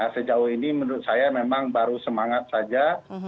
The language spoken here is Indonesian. sejauh ini menurut saya memang baru semangat saja